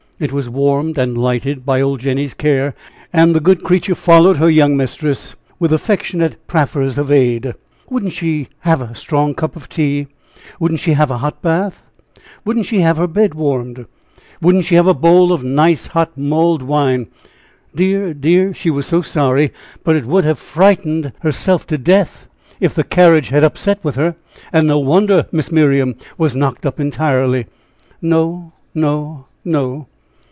It was warmed and lighted by old Jenny's care, and the good creature followed her young mistress with affectionate proffers of aid. "Wouldn't she have a strong cup of tea? Wouldn't she have a hot bath? Wouldn't she have her bed warmed? Wouldn't she have a bowl of nice hot mulled wine? Dear, dear! she was so sorry, but it would have frightened herself to death if the carriage had upset with her, and no wonder Miss Miriam was knocked up entirely." "No, no, no!"